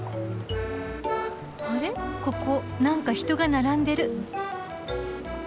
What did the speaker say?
あれここなんか人が並んでる。